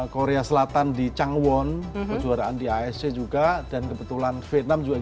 korea selatan di changwon atau masjid juga dan kebetulan vietnam